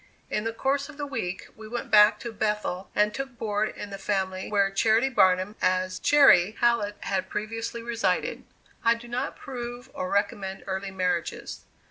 In the course of the week we went back to Bethel and took board in the family where Charity Barnum as "Chairy" Hallett had previously resided. I do not approve or recommend early marriages.